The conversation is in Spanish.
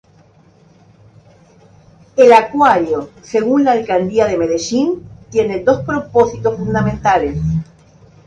El acuario, según la Alcaldía de Medellín, tiene dos propósitos fundamentales.